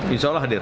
insya allah hadir